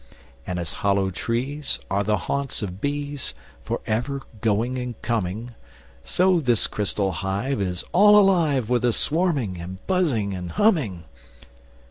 And as hollow trees Are the haunts of bees, For ever going and coming; So this crystal hive Is all alive With a swarming and buzzing and humming.